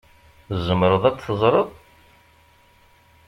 Tzemreḍ ad d-teẓṛeḍ?